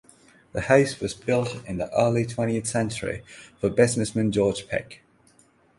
The house was built in the early twentieth century for businessman George Pick.